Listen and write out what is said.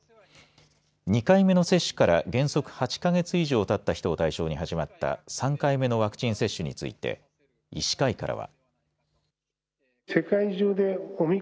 ２回目の接種から原則８か月以上たった人を対象に始まった３回目のワクチン接種について医師会からは。